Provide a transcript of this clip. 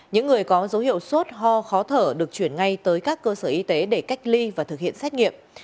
những người có dấu hiệu sốt ho khó thở được chuyển ngay tới các cơ sở y tế để cách ly và thực hiện xét nghiệm